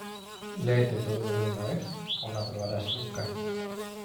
¡Léete todo de una vez o no aprobarás nunca!